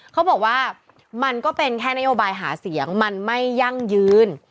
เขาบอกว่ามันก็เป็นแค่นโยบายหาเสียงมันไม่ยั่งยืน